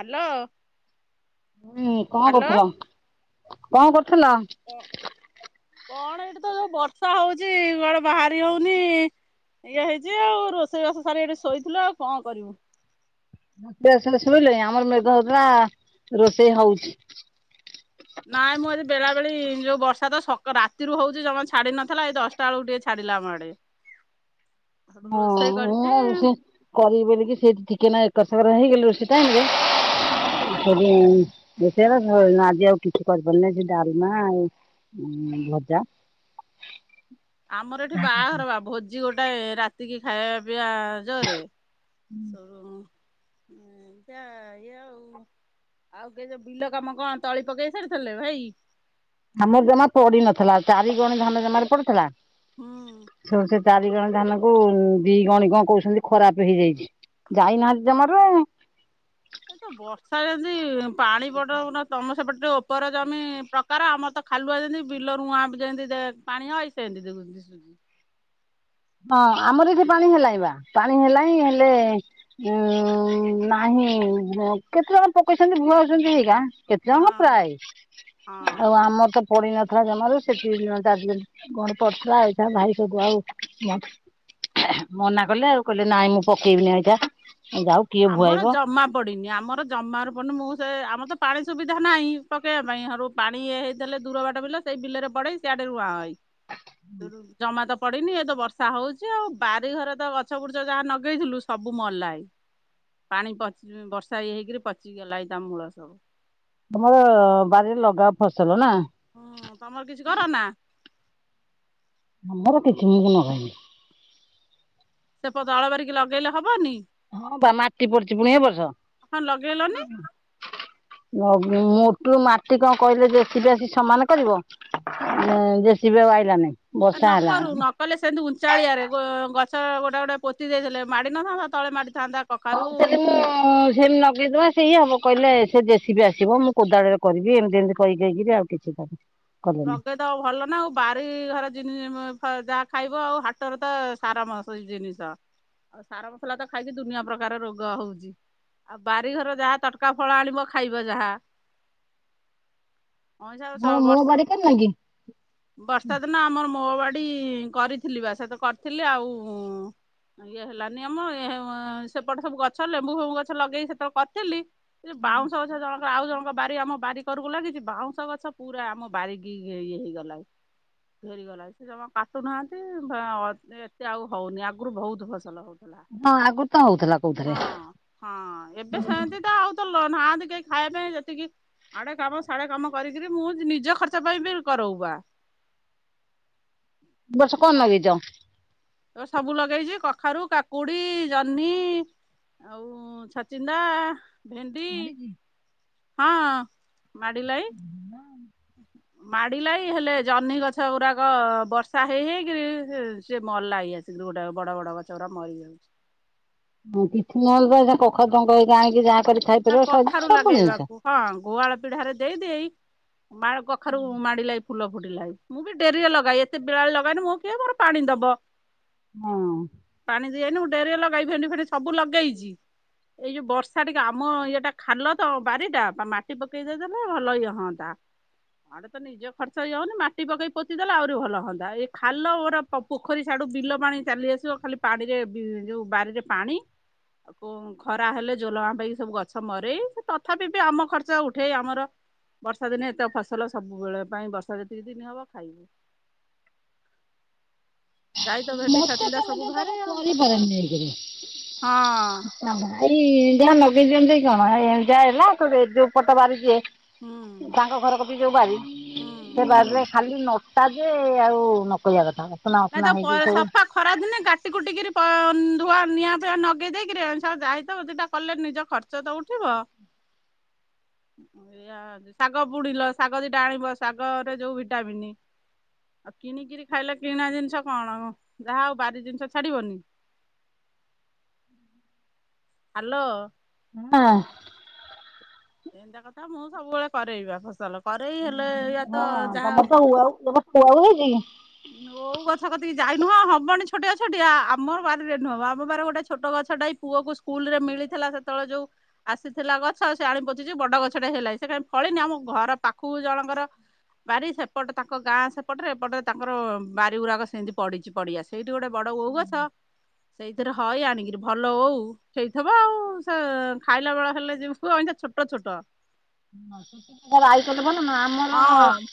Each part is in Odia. ହାଲୋ। ହୁଁ କଣ ହାଲୋ କରୁଥେଲ କଣ କରୁଥେଲ? କଣ ଏଇଠି ତ ଯୋଉ ବର୍ଷା ହଉଚି କୁଆଡେ ବାହାରି ହଉନି। ଇଏ ହେଇଚି ଆଉ, ରୋଷେଇବାସ ସାରି ଏଠି ଶୋଇଥିଲୁ ଆଉ କଣ କରିବୁ। [unintelligible] ସାରି ଶୋଇଲଇଁ ଆମର ମେଘ ହଉଥେଲା ରୋଷେଇ ହଉଛି। ନାଇଁ ମୁଁ ଆଜି ବେଳାବେଳି ଯୋଉ ବର୍ଷା ତ ସକ ରାତିରୁ ହଉଚି ଜମା ଛାଡି ନଥିଲା, ଏଇ ଦଶଟା ବଳକୁ ଟିକେ ଛାଡ଼ିଲା ଆମ ଆଡେ। ସେଠୁ ହଁ ରୋଷେଇ ମୁଁ କରିଛି ଆଉ ସେ କରିବି ବୋଲିକି ଟିକେ ସେଇଠି ଟିକେ ନା ଏକର ସେକର ହେଇଗଲି ରୋଷେଇ ଟାଇମ୍ ରେ [unintelligible] ହୁଁ। [unintelligible] ଆଜି ଆଉ କିଛି କରିପାରିଲିନି ସେ ଡାଲମା ଆଉ ଭଜା। ଆମର ଏଠି ବାହାଘର ବା ଭୋଜି ଗୋଟାଏ ରାତିକି ଖାଇବା ପିଇବା ଜୋରେ। ସୋଉଟୁ ଏମ୍ତିଆ ଇଏ ଆଉ। ଆଉ କେ ଯୋଉ ବିଲ କାମ କଣ ତଳି ପକେଇ ସାରିଥେଲେ ଭାଇ? ଆମର ଜମା ପଡି ନଥେଲା, ଚାରିଗଣି ଧାନ ଜମାରୁ ପଡିଥେଲା। ହୁଁ ଚାରିଗଣି ଧାନ କୁ ଦି ଗଣି କଣ କହୁଚନ୍ତି କଣ ଖରାପେ ହେଇଯାଇଛି, ଯାଇନାହାନ୍ତି ଜମାରୁ ଆଉ। ଏ ତ ବର୍ଷା ଯେନ୍ତି ପାଣି [unintelligible] ତମ ସେପଟେ ଟିକେ ଓପର ଜମି ପ୍ରକାର, ଆମର ତ ଖାଲୁଆ ଯେନ୍ତି ବିଲ ରୁୁଆଁ ଯେନ୍ତି ପାଣି ହଏ ସେନ୍ତି [unintelligible] ଦିଶୁଚି। ହଁ ଆମର ଏଠି ପାଣି ହେଲାଇଁ ବା ପାଣି ହେଲାଇଁ ହେଲେ ଉଁ ନାହିଁ କେତେ ଜଣ ପକେଇଚନ୍ତି ଭୁଆଉଚନ୍ତି ହେଇିକା। କେତେ ଟଙ୍କା ହଁ। ପ୍ରାୟ ଆଉ ହଁ। ଆମ ତ ପଡିିନଥିଲା ଜମାରୁ ସେଠି ନଦା ଗଣ ପଡିଥିଲା ଏଇଶା ଭାଇ ସୁବୁ ଆଉ ମନ୍ଥ ମନା କଲେ ଆଉ କହିଲେ ନାଇଁ ମୁଁ ପକେଇବିନି ଏଇଟା ଏଇ ଯାଉ। କିଏ ଆମର ଭୁଆଇବ ଜମା ପଡ଼ିନି ଆମର ଜମାରୁ ପଡ଼ନି ମୁଁ ସେ ଆମର ତ ପାଣି ସୁବିଧା ନାହିଁ ପକେଇବା ପାଇଁ ହାରୁ ପାଣି ଇଏ ହେଇଲେ ଦୂର ବାଟ ବିଲ ସେଇ ବିଲରେ ପଢେଇ ସେଆଡେ ରୁଆଁ ହଇ ଜମା ତ ପଡିନି ଏ ତ ବର୍ଷା ହଉଚି ଆଉ ବାରିଘରେ ତ ଗଛ ବୁଡଚ ଯାହା ନଗେଇଥିଲୁ ସବୁ ମଲାଇ। ପାଣି ପଚି ବର୍ଷା ଇଏ ହେଇକିରି ପଚିଗଲା ଏ ତା ମୂଳ ସବୁ। ଘର ବାରିରେ ଲଗାଅ ଫସଲ ନା? ହଁ ତମର କିଛି କର ନା? ଆମୋର କିଛି ମୁଁ କଁ ନଗାଏନି। ସେ ପଦା ଅଳବାରିକି ଲଗେଇଲେ ହବନି? ହଁ ବା ମାଟି ପଡିଚି ପୁଣି ଏ ବର୍ଷ। [inaudible] ହଁ ଲଗେଇଲନି ମୋଗ ମୋଟୁରୁ ମାଟି କଁ କହିଲେ ଯେ ସି ବି ଆସି ସମାନ କରିବ। ନେ ଯେ ସି ବି ଆଉ ଆଇଲାଲେଇ। ଏ ନକରୁ ନ କଲେ ସେମିତି ଉଞ୍ଚାଳିଆରେ ଗ ଗଛ ଗୋଟେ ଗୋଟେ ପୋତି ଦେଇଥିଲେ ମାଡ଼ି ନଥାନ୍ତା ତଳେ ମାଡ଼ିଥାନ୍ତା କହୁଥିଲି ମୁଁ ସେମି ଲ ଏ ସେଇ ହବ କହିଲେ ସେ ଯେ ସି ବି ଆସିବ ମୁଁ କୋଦାଳ ରେ କରିବି ଏମିତି ଏମିତି କହି କିହିକିରି ଆଉ କିଛି କ ହ ଲଗେଇ ଦବ ଭଲ ନା ଆଉ ବାରିଘରେ ଜିନି ମ ଫ ଯାହା ଖାଇବ ଆଉ ହାଟରେ ତ ସାର ମସଇ ଜିନିଷ ଆଉ ସାର ମସଲା ତ ଖାଇକି ଦୁନିଆ ପ୍ରକାର ରୋଗ ହଉଚି। ଆଉ ବାରିଘର ଯାହା ତଟକା ଫଳ ଆଣିବ ଖାଇବ ଯାହା। ମୁଁ ଅଇଁଛା ମୁଁ ବର୍ଷ ବାଡି କାରନା କି? ବର୍ଷା ଦିନ ଆମର ମୋ ବାଡି କରିଥିଲି ବା ସେତ କରିଥିଲି ଆଉ ଇଏ ହେଲାନି ଆମ ଏହେଆ ସେପଟେ ସବୁ ଗଛ ଲେମ୍ବୁ ଫେମ୍ବୁ ଗଛ ଲଗେଇକି ସେତେବେଳେ କରିଥିଲି ଯୋଉ ବାଉଁଶ ଗଛ ଜଣଙ୍କ ଆଉ ଜଣଙ୍କ ବାରି ଆମ ବାରି କରକୁ ଲାଗଚି ବାଉଁଶ ଗଛ ପୁରା ଆମ ବାରିକି ଘେ ଇଏ ହେଇଗଲାଇ। ଘେରିଗଲା ସେ ଜମା କାଟୁନାହାନ୍ତି ଭା ଅତ୍ ଏତେ ଆଉ ହଉନି ଆଗରୁ ଭହୁତ ଫସଲ ହଉ ଥଲା ହଁ ଆଗରୁ ତ ହଉଥିଲା କୋଉଥିରେ ହଁ ଏ ହଁ ଏବେ ସେମିତି ତ ଆଉ ତୋ ଲୋ ନାହାନ୍ତି କେହି ଖାଇବା ପାଇଁ ଯେତିକି ଆଡେ କାମ ସାଢଡେ କାମ କରିକରି ମୁଁ ନିଜ ଖର୍ ଚ ପାଇଁ ବି କରଉ ବା। ବସ କଁ ଲଗେଇଚ? ଅ ସବୁ ଲଗେଇଚି କଖାରୁ, କାକୁଡି, ଜହ୍ନି ଆଉ ଛାଚିନ୍ଦା ଭେଣ୍ଡି ମାଡ଼ିଚି? ହଁ ମାଡିଲାଇ। [unintelligible] ମାଡ଼ିଲାଇ ହେଲେ ଜହ୍ନି ଗଛ ଗୁରାକ ବର୍ଷା ହେଇ ହେଇକିରି ସେ ସେ ମଲା ଇଏ ସିଦୁରୁ ଗୋଟେ ବଡ ବଡ ଗଛଗୁରା ମରିଜାଉଚି। ଅଁ କିଛି ନହେଲେ ତା କଖାରୁ ଟଙ୍କ ଇକା ଆଣିକି ଯା କରି ନା ଖାଇପାରିବ ସ କଖାରୁ ସବୁ ଜିନିଷ। ଲଗେଇବାକୁ ହଁ ଗୁଆଳ ପିଢାରେ ଦେଇଦେଇ ମାଳ କଖାରୁ ମାଡିଲାଇ ଫୁଲ ଫୁଟିଲାଇ। ମୁଁ ବି ଡେରିରେ ଲଗାଏ ଏତେ ବେଳାବେଳି ଲଗାଇନି ମୋ କିଏ ମୋର ପାଣି ଦବ। ହଁ। ପାଣି ଦିଇଏନୁ ଡେରିରେ ଲଗାଇ ଭେଣ୍ଡି ଫେଣ୍ଡି ସବୁ ଲଗେଇଚି ଏଇ ଯୋଉ ବର୍ଷା ଟି କେ ଆମ ଇଏଟା ଖାଲତ ବାରିଟା ପା ମା ମାଟି ପକେଇ ଦେଇଦେଲେ ଭଲ ଇଏ ହଅନ୍ତା। ଆଡ଼େ ତନି ନିଜ ଖର୍ଚ୍ଚ ଇଏ ହଉନି ମାଟି ପକେଇ ପୋତି ଦେଲେ ଆଉରି ଭଲ ହୁଅନ୍ତା ଏଇ ଖାଲ ଓର ପ ପୋଖରି ସେଡୁ ବିଲ ପାଣି ଚାଲି ଆସି ଚୋ ଖାଲି ପାଡିରେ ବି ଯୋଉ ବାରିରେ ପାଣି ଆକୁ ଖରା ହେଲେ ଯୋଲୋ ଆମ ପାଇ ସବୁ ଗଛ ମରେ ତଥାପିବି ଆମ ଖର୍ଚ୍ଚ ଉଠେ ଆମର ବର୍ଷା ଦିନେ ଏତେ ଅଫସଲ ସବୁବେଳେ ପାଇଁ ବର୍ଷା ଯେତିକିଦିନି ହବ ଖାଇବୁ। ଯାଇ ତ ଭେଣ୍ଡି ମତେ ସେ ଛଚିନ୍ଦ୍ରା ମୁ ସବୁ ଟିକେ ତାକୁ ବାହାରେ ଆଉ କରି ପାରେନି ଏକେରେ। ହଁ ନା ଭାଈ ଯାହା ନଗେଇ ଦିଅନ୍ତି କଣ ଏହି ଏଇ ଯାଆ ଏଲା ଯୋଉ ପଟ ବାରିଟିଏ ହୁଁ ତାଙ୍କ ଘର କତିରେ ଯୋଉ ବାରି ହୁଁ। ସେ ବାରିରେ ଖାଲି ନୋଟା ଯେ ଆଉ ନକହିବା କଥା ଅସନା ନାଇଁ ଅସନା ତ ହେଇକି ପଏ ସବୁ ସଫା ଖରାଦିନେ କାଟି କୁଟିକିରି ପ ଉଁ ଧୂଆ ନିଆଁ ଫିଆଁ ନଗେଇ ଦେଇକିରି ଯାଇତ ଦିଟା କଲେ ନିଜ ଖର୍ଚ୍ଚତ ଉଠିବ। ଏଇଆ, ଶାଗ ବୁଣିଲ ଶାଗ ଦିଟା ଆଣିବ ଶାଗ ରେ ଯୋଉ ଭିଟାମିିନି। ଆଉ କିଣିକିରି ଖାଇଲେ କିଣା ଜିନିଷ କଣ ଯାହା ଆଉ ବାରି ଜିନିଷ ଛାଡିବନି। ହାଲୋ। ହଁ। ଏନ୍ତା କଥା ମୁଁ ସବୁବେଳେ କରେଇବା ଫସଲ କରେଇ ହେଲେ ଏଇଆ ତ ଯାହା [unintelligible] ଓଉ ହେଇଚି କି? ଓଉ ଗଛ କତିକି ଯାଇ ନୁହଁ ହବନି ଛୋଟିଆ ଛୋଟିଆ ଆମର ବାରିରେ ନୁହଁବା ଆମ ବାରିରେ ଗୋଟେ ଛୋଟ ଗଛଟା ହେଇ ପୁଅକୁ ସ୍କୁଲ ରେ ମିଳିଥିଲା ସେତେବେଳେ ଯୋଉ ଆସିଥିଲା ଗଛ ସେ ଆଣି ପୋତିଚି ବଡ ଗଛଟେ ହେଲାଇ ସେ କାଇଁ ଫଳିନି ଆମ ଘର ପାଖୁକୁ ଜଣଙ୍କର ବାରି ସେପଟ ତାଙ୍କ ଗାଁ ସେପଟରେ ଏପଟେ ତାଙ୍କର ବାରି ଗୁରାକ ସେମିତି ପଡିଚି ପଡିଆ ସେଇଟି ଗୋଟେ ବଡ ଓଉ ଗଛ ସେଇଥିରେ ହଏ ଆଣିକିରି ଭଲ ଓଉ। ହେଇଥିବ ଆଉ ସେ ଖାଇଲା ବେଳ ହେଲେ ସେଇଠୁ ଛୋଟ ଛୋଟ। ହଁ, ରାଇକଲେ ଭଲ ନା ଆମର ହଁ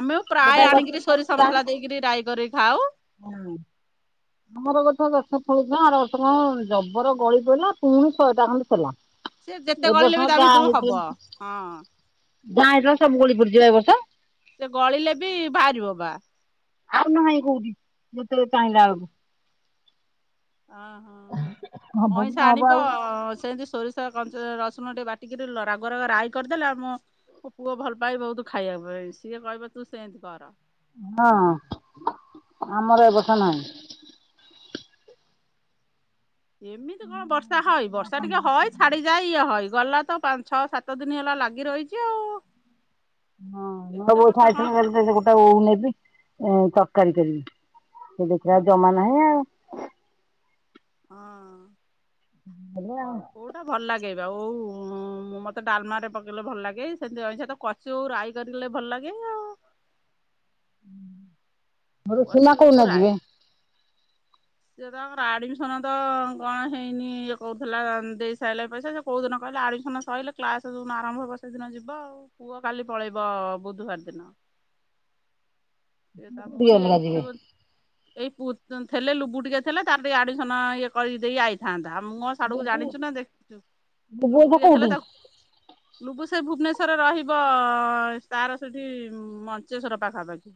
ଆମେ ପ୍ରାୟ ଗୋଟାଏ ଗଛ ଆଣିକିରି ସୋରିଷ ଫଳୁଥିଲା ମସଲା ଦେଇକିରି ରାଇ କରିକିରି ଖାଉ। ହୁଁ। ତମର ବୋଧେ ଗଛ ଫଳୁଥିଲା ଆର ବର୍ଷତ ଜବର ଗଳି ପଇଲା ପୁଣି ଶହେ ଟା ଖଣ୍ଡେ ଥିଲା। ସେ ଯେତେ ଏ ବର୍ଷ ଗଳିଲେବି ତା ଭିତରୁ ହବ, ହଁ। ନାଇଲୋ ସବୁ ଗଳି ପଡ଼ିଚି ଏ ବର୍ଷ। ସେ ଗଳିଲେ ବି ବାହାରିବ ବା। ଆଉ ନାହିଁ କୋଉଠି ଯେତେବେଳେ ଚାହିଁଲା ଆଳୁକୁ। ଅହ ହବ କି ଅଇଁସ ହବ ଆଣିବ ଆଉ ସେଇ ତି ସୋରିଷ ଦେଇ ସେୟା କରୁଚୁ ରସୁଣ ଟିକେ ବାଟିକିରି ଲ ରାଗୁଆ ରାଗୁଆ ରାଇ କରିଦେଲେ ଆମ ମୋ ପୁଅ ଭଲ ପାଏ ବହୁତୁ ଖାଇବା ପାଇଁ ସିଏ କହିବ ତୁ ସେମିତି କର। ହଁ, ଆମର ଏ ବର୍ଷ ନାଇଁ। ଏମିତି କଣ ବର୍ଷା ହଏ ବର୍ଷା ଟିକେ ହଏ ଛାଡିଯାଏ ଇଏ ହଏ ଗଲା ତ ପା ଛଅ ସାତ ଦିନି ହେଲା ଲାଗି ରହିଚି ଆଉ। ହଁ, ନୂଆ ଏତେ ବୋହୁ ବର୍ଷା କଣ ଏଇଖୁଣା ହଁ ଆଇଥିବ [unintelligible] ତା ଓଉ ନେଇଛି ଇଁ ତରକାରୀ କରିବି ସେ ଦେଖିଲା ଆ ଜମା ନାଇ ଆଉ ହଁ। ହେଲା। ଓଉଟା ଭଲ ଲାଗେ ବା ଆଉ ମତେ ଡାଲମା ରେ ପକେଇଲେ ଭଲ ଲାଗେ ସେମିତି ଅଇଂସା ତ ସେଇ ଯୋଉ ରାଇ କରିଲେ ଭଲ ଲାଗେ ଆଉ ଋଷି କଷି ମା ଓଉ କୋଉ ଦିନ ଯିବେ? ଯେ ତାଙ୍କର ଆଡମିସନ ତ କଣ ହେଇନି ଇଏ କହୁଥିଲା ଦେଇ ସାରିଲା ପଇସା କୋଉଦିନ କହିଲ ଆଡ଼ମିସନ୍ ସରିଲେ କ୍ଲାସ ଯୋଉ ଦିନ ଆରମ୍ଭ ହେବ ସେଦିନ ଯିବ ଆଉ। ପୁଅ କାଲି ପଳେଇବ ବୁଧବାର ଦିନ। ଏଇ ଛୁଟି ଦି ବୋଲି ଅଲଗା ଯିବେ ଏଇ ଥିଲେ ଲୁବୁ ଟିକେ ଥିଲେ ତାର ଟିକେ ଆଡମିସନ ଇଏ କରିଦେଇ ଆଇଥିଲେ। ଥାନ୍ତା ମୁଁ କଣ ସିଆଡକୁ ବୁବୁ ଜାଣିଛୁ ନା ଦେଖିଛୁ ବୁବୁ ଲୁବୁ ଏଇନା ଟିକେ ଥିଲା କୋଉଠି ତାକୁ ଲୁବୁ ସେ ଭୁବନେଶ୍ଵରରେ ରହିବ ତାର ସେଠି ମଞ୍ଚେଶ୍ଵର ପାଖାପାଖି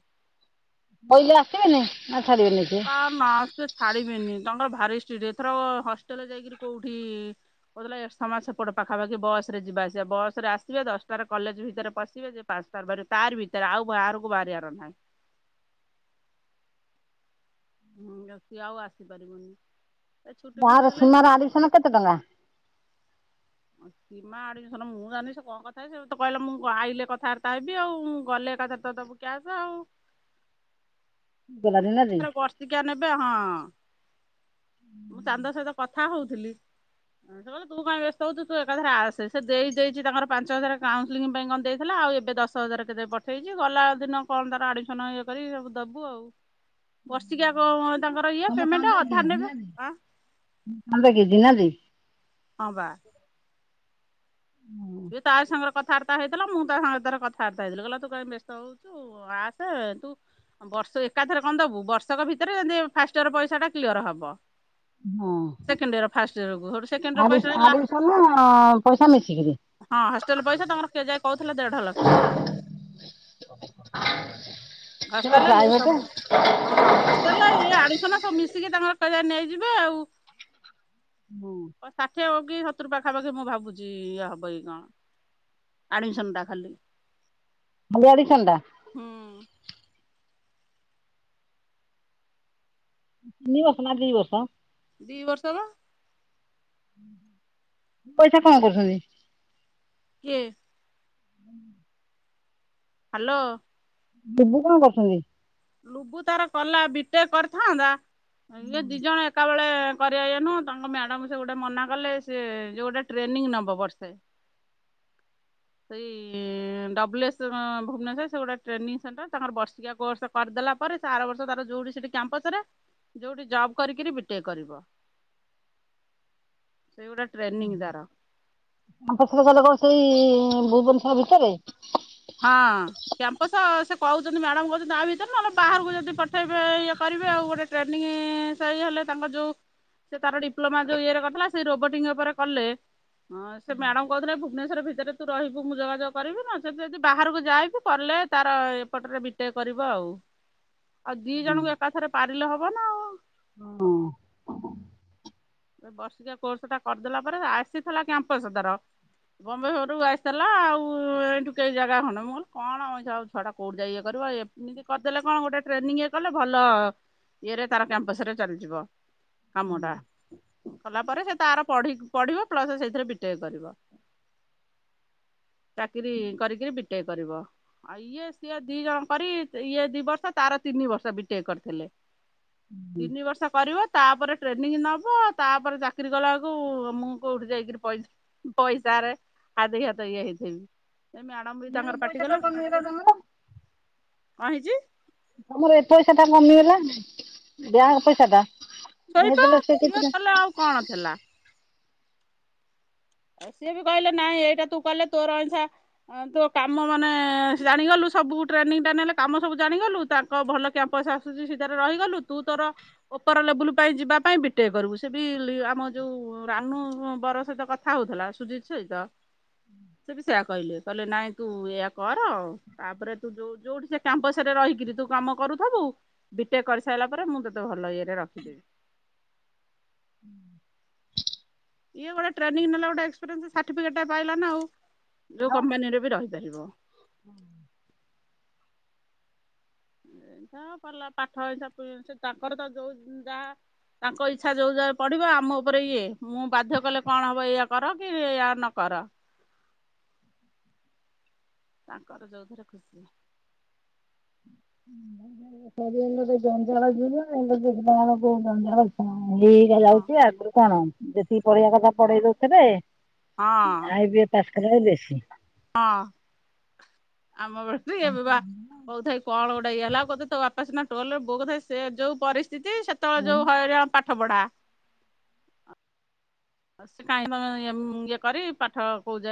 କଇିଲେ ଆସିବେନି ନା ଛାଡିବେନି ସେ ଆ ନା ସେ ଛାଡିବେନି ତାଙ୍କର ଭାରି ଷ୍ଟିଟ ଏଥରକ ହଷ୍ଟେଲରେ ଯାଇକିରି କୋଉଠି କହୁଥିଲା ଏରସମା ସେପଟ ପାଖାପାଖି ବସରେ ଯିବା ଆସିବା ବସରେ ଆସିବେ ଦଶଟାରେ କଲେଜ ଭିତରେ ପଶିବେ ପାଞ୍ଚ ଟାରେ ବାହାରିବେ ତାରି ଭିତରେ ଆଉ ବାହାରକୁ ବାହାରିବାର ନାହିଁ। ହୁଁ ସିଏ ଆଉ ଆସିପାରିବନି ଏ ଛୁଟି ଫୁଟି ବାହାର ହେଲେ ସୀମାର ଆଡମିସନ କେତେ ଟଙ୍କା ଅ ମା ଆଡମିସନ ମୁଁ ଜାଣିନି ସେ କଣ କଥାହେ ସେ ତ କହିଲେ ମୁଁ ଆଇଲେ କଥାବାର୍ତ୍ତା ହେବି ଆଉ ଗଲେ ଏକାଥରେ ତ ଦବୁ କ୍ୟାସ ଆଉ। ବଲା ଦିନନ୍ତି ଟିକା ନେବେ ହଁ ମୁଁ ଚାନ୍ଦ ସହିତ କଥା ହଉଥିଲି ସେ କହିଲା ତୁ କାହିଁକି ବ୍ୟସ୍ତ ସ୍ତ ହଉତୁ ତୁ ଏକାଥରେ ଆସେ ସେ ଦେଇ ଦେଇଛି ତାଙ୍କର ପାଞ୍ଚ ହଜାର କାଉନସିଲଲିଂ ପାଇଁ କଣ ଦେଇଥିଲା ଆଉ ଏବେ ଦଶ ହଜାର କେତ ପ ଠେଇଛି ଗଲା ଦିନ କଣ ତାର ଆଡ଼ମିସନ ଇଏ କରିକି ସବୁ ଦବୁ ଆଉ ହୁଁ। ହେଠିକା କଁ ତାଙ୍କର ଇଏ ପେମେଣ୍ଟ ଅଧା ନେବେ ଆଁ [inaudible] ମୁ କ କି ଦି ନାନ୍ତି ହଁ ବା। ସିଏ ତା ସାଙ୍ଗରେ କଥାବାର୍ତ୍ତା ହେଇଥିଲା ମୁଁ ତା ସାଙ୍ଗରେ ଥରେ କଥାବାର୍ତା ହେଇଥିଲି କହିଲା ତୁ କାଇଁ ବ୍ୟସ୍ତ ହଉଚୁ। ତୁ ଆସେ ତୁ ବର୍ଷ ଏକାଥରେ କଣ ଦବୁ ବର୍ଷକ ଭିତରେ ଯେମିତି ଫାଷ୍ଟ ଇୟର ପଇସାଟା କ୍ଲିଅର ହବ। ହଁ ସେକେଣ୍ଡ ଇୟ ଫାଷ୍ଟ ଇୟକୁ ହେଠୁ ସେକେଣ୍ଡୟର ଆଡି ପଇସାଟା ଲା ଆଡମିସନ ପଇସା ମିଶିକିରି ହଁ ହଷ୍ଟେଲ ପଇସା ତମର କେଯାଏ କହୁଥିଲା ଦେଢ ଲକ୍ଷ ଛି ହଷ୍ଟେଲ ଇଏ ସବୁ ହଁ ହଷ୍ଟେଲ ଇଏ ଆଡ଼ମିସନ ସବୁ ମିଶିକି ତାଙ୍କର ନେଇଯିବେ ଆଉ ହୁଁ। ହ ଷାଠିଏ ହବ କି ସତୁୁର ପାଖାପାଖି ମୁଁ ଭାବୁଛି ଇଏ ହବକି କଣ ଆଡ଼ମିଶନ୍ଟା ଖାଲି। ରି ଆଡିସନ ଟା? ହୁଁ। ତିନିବର୍ଷ ନାଁ ଦିବର୍ଷ? ଦି ବର୍ଷ ବା। ପଇସା କଣ କରୁଛନ୍ତି। କିଏ? ହ୍ୟାଲୋ। ଲୁବୁ କଣ କରୁସନ୍ତି। ଲୁବୁ ତାର କଲା ବିଟେକ କରିଥାନ୍ତା ଇଏ ଦି ଜଣ ଏକା ବେଳେ କରିବା ଇଏ ନୁହୁଁ ତାଙ୍କ ମ୍ୟାଡ଼ାମ ସେ ଗୋଟେ ମନା କଲେ ସେ ଯେ ଗୋଟେ ଟ୍ରେନିଂ ନେବ ବର୍ଷେ। [unintelligible] ସେଇ ଏସ ଡବ୍ଲୁ ଭୁବନେଶ୍ଵର ସେ ଗୋଟେ ଟ୍ରେନିଂ ସେଣ୍ଟର ତାଙ୍କର ବର୍ଷିକିଆ କୋର୍ଷ କରିଦେଲା ପରେ ତା ଆର ବର୍ଷ ତାର ଯୋଉଠି ସେଠି କ୍ୟାମ୍ପସ ରେ ଯୋଉଠି ଜବ୍ କରିକିରି ବିଟେକ କରିବ। [unintelligible] ସେଇଗୁରା ଟ୍ରେନିଂ ତାର। କ୍ୟାମ୍ପସ ରେ କଲେ କଣ ସେଇ ଭୁବନେଶ୍ୱର ଭିତରେ? ହଁ। କ୍ୟାମ୍ପସ ସେ କହୁଛନ୍ତି ମ୍ୟାଡାମ କହୁଛନ୍ତି ଆ ଭିତରେ ନହେଲେ ବାହାରକୁ ଯଦି ପଠେଇବେ ଇଏ କରିବେ ଆଉ ଗୋଟେ ଟ୍ରେନିଂ ସଇ ହେଲା ତାଙ୍କ ଯୋଉ ସେ ତାର ଡିପ୍ଲୋମା ଯୋଉ ଇଏରେ କରିଥିଲା ସେ ରୋବୋଟିଂ ଉପରେ କଲେ। ହଁ ସେ ମ୍ୟାଡମ କହୁଥିଲେ ଭୁବନେଶ୍ଵର ଭିତରେ ତୁ ରହିବୁ ମୁଁ ଯୋଗାଯୋଗ କରିବି ନା ସେମ ଯଦି ବାହାରକୁ ଯାଇବୁ କଲେ ତାର ଏପଟରେ ବିଟେଇ କରିବ ଆଉ। ଆଉ ଦି ଜଣଙ୍କୁ ଏକାଥରେ ପାରିଲେ ହବ ନା ଆଉ। ହଁ। ସେ ବର୍ଷିକିଆ କୋର୍ସ ଟା କରିଦେଲା ପରେ ଆସିଥିଲା କ୍ୟାମ୍ପସ ତାର। [unintelligible] ଶ୍ୱରରୁ ଆସିଥିଲା ଆଉ ଏଇଠୁ କେହି ଜାଗା ହେନ ମୁଁ କ କଣ ଆମଉ ଛୁଆଟା କେଉଁଠି ଯାଇ ଇଏ କରିବ। ଏ ଏମିତି କରିଦେଲେ କଣ ଗୋଟେ ଟ୍ରେନିଂ ଇଏ କଲେ ଭଲ ଇଏରେ ତାର କ୍ୟାମ୍ପସ ରେ ଚାଲିଯିବ। କାମ ଟା କଲା ପରେ ସେ ତାର ପଢ଼ି ପଢିବ ପ୍ଲସ ସେଇଥିରେ ବିଟେଇ କରିବ। [unintelligible] ଚାକିରି କରିକିରି ବିଟେକ କରିବ। ଆଉ ଇଏ ସିଏ ଦି ଜଣ କରି ଇଏ ଦି ବର୍ଷ ତାର ତିନି ବର୍ଷ ବିଟେକ କରିଥିଲେ। ତିନି ବର୍ଷ କରିବ ତାପରେ ଟ୍ରେନିଂ ନବ ତାପରେ ଚାକିରି କଲା ବେଳକୁ ମୁଁ କୋଉଠି ଯାଇକିରି ପଇଲି ପଇସା ରେ ହାଦ ହାତ ଇଏ ହେଇଥିବି। ଏ ମ୍ୟାଡ଼ାମ ବି ତାଙ୍କର ପାଟି ଗଲା କଣ ହେଇଛି? ତମର ଏ ପଇସା ଟା କମିଗଲା ଯାହା ପଇସା ଟା। ଶୋଇତ ଅ ତଲେ ଆଉ କଣ ଥିଲା? ଆଉ ସିଏ ବି କହିଲେ ନାଇଁ ଏଇଟା ତୁ କଲେ ତୋ ଅଇଠା ହଁ ତୁ କାମ ମାନେ ଜାଣିଗଲୁ ସବୁ ଟ୍ରେନିଂ ଟା ନେଲେ କାମ ସବୁ ଜାଣିଗଲୁ। ତା ଭଲ କ୍ୟାମ୍ପସ ଆସୁଚି ସେଠାରେ ରହିଗଲୁ ତୁ ତୋର ଉପର ଲେବୁଲ ପାଇଁ ଯିବା ପାଇଁ ବିଟେକ କରିବୁ ସେ ବି ଆମ ଯୋଉ ରାନୁ ବର ସହିତ କଥା କଥା ହଉଥିଲା ସୁଜିତ ସହିତ ସେ ବି ସେଇଆ କହିଲେ କହିଲେ ନାଇଁ ତୁ ଏୟା କର ତାପରେ ତୁ ଯୋଉ ଯୋଉଠି ସେ କ୍ୟାମ୍ପସରେ ରହିକିରି ତୁ କାମ କରୁଥିବୁ। ବିଟେକ କରିସାରିଲା ପରେ ମୁଁ ତୋତେ ଭଲ ଇଏରେ ରଖିଦେବି। ହୁଁ। ଇଏ ଗୋଟେ ଟ୍ରେନିଂ ନେଲା ଗୋଟେ ଏକ୍ସପିରିଏନ୍ସ ସାର୍ଟିଫିକେଟା ପାଇଲା ନା ଆଉ ଯଉ କମ୍ପାନୀରେ ବି ରହିପାରିବ। ହୁଁ। ଏ ଜା ଭଲ ପାଠ [unintelligible] ତାଙ୍କର ତ ଯୋଉ ଯାହା ତାଙ୍କ ଇଚ୍ଛା ଯେଉଁ ଯାଗ ପଢିବ ଆମ ଉପରେ ଇଏ ମୁଁ ବାଧ୍ୟ କଲେ କଣ ହବ ଇୟ କର କି ଏୟା ନକର। ତାଙ୍କର ଯୋଉଥରେ ଖୁସି। [unintelligible] ଗୋଟେ ଜଞ୍ଜାଳ [unintelligible] ଦେଆ ଯାଉଛି ଆଗରୁ ହଁ କଣ ଯେତିକି ପଢିବା କଥା ପଢେଇ ଦଉଥିବେ ହଁ ଆ ଏଵେ ପାଖରେ ବେଶୀ [unintelligible] ହଁ ଆମ ବେଳେ ଏବେ ବା କହୁ ଥାଇ କଣ ଗୋଟେ ଇଏ ହେଇଗଲା ଆଉ [unintelligible] ତ ନା ଟୋଲରେ ବହୁଥାଏ ସେ ଯୋଉ ପରିସ୍ଥିତି ସେତେବେଳେ ଯୋଉ ହଇରାଣ ପା ପାଠପଢା ଆଉ ସେ କାହିଁକି ତମ ଇଏମ୍ ଇଏ କରିବି ପାଠ କୋଉ ଯାକେ